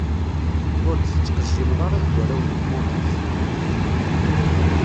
Ur d-tettqejjimeḍ ara deg warraw n tmurt-ik.